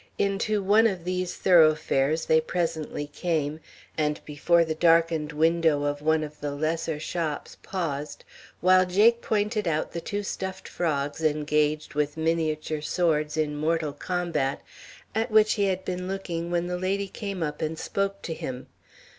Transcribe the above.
Into one of these thoroughfares they presently came, and before the darkened window of one of the lesser shops paused, while Jake pointed out the two stuffed frogs engaged with miniature swords in mortal combat at which he had been looking when the lady came up and spoke to him.